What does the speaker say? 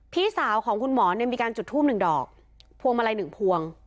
พี่สาวของคุณหมอเนี่ยมีการจุดทูบหนึ่งดอกพวงมาลัยหนึ่งพวง